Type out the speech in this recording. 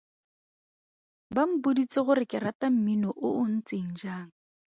Ba mpoditse gore ke rata mmino o o ntseng jang.